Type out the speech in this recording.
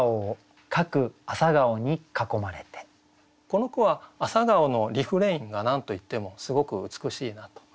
この句は「朝顔」のリフレインが何と言ってもすごく美しいなと。